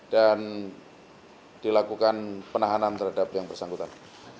dan dilakukan penahanan terhadap yang bersangkutan